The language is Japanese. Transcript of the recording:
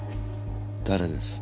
誰です？